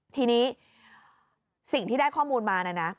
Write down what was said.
ทีนี้สิ่งที่ได้ข้อมูลมานะนะ